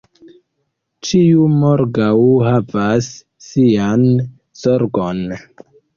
Ĉiu morgaŭ havas sian zorgon.